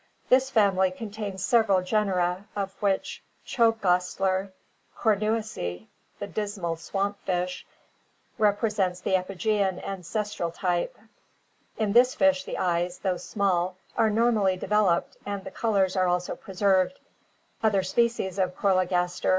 This family contains several genera, of which Chobgaslcr cornuiuSy the Dismal Swamp fish, represents the epigean ancestral type. In this fish the eyes, though small, are normally developed and the colors are also preserved. Other species of Chologaskr (Fig.